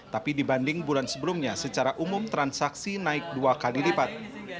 tapi dibanding bulan sebelumnya secara umum transaksi naik dua kali lipat